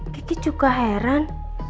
kiki juga heran